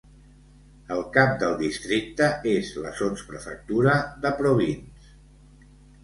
El cap del districte és la sotsprefectura de Provins.